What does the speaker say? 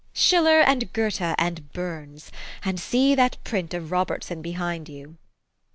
u Schiller and Goethe and Burns ! And see that print of Robert son behind j^ou."